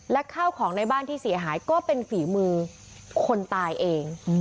และข้าวของในบ้านที่เสียหายก็เป็นฝีมือคนตายเอง